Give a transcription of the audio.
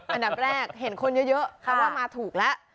อันดับแรกเห็นคนเยอะแปลว่ามาถูกแล้ว